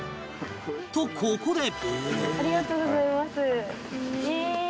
とここで